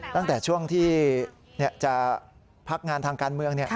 ตั้งแต่ช่วงที่จะพักงานทางการเมือง